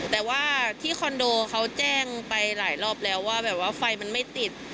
แต่ว่าที่คอนโดเขาแจ้งไปหลายรอบแล้วว่าแบบว่าไฟมันไม่ติด